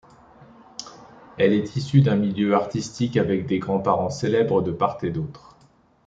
Elle est issue d'un milieu artistique avec des grand-parents célèbres de part et d'autre.